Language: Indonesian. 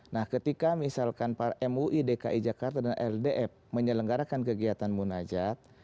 nah ketika misalkan mui dki jakarta dan ldf menyelenggarakan kegiatan munajat